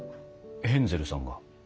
ヘンゼルさんが。